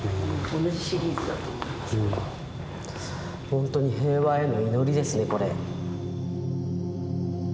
ほんとに平和への祈りですねこれ。